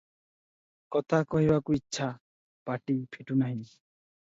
କଥା କହିବାକୁ ଇଚ୍ଛା, ପାଟି ଫିଟୁନାହିଁ ।